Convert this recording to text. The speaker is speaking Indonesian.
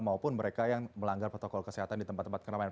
maupun mereka yang melanggar protokol kesehatan di tempat tempat keramaian